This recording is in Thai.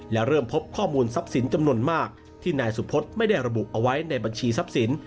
และเริ่มพบข้อมูลทรัพย์สินจำนวนมากที่นายสุพธไม่ได้ระบุเอาไว้ในบัญชีทรัพย์สิน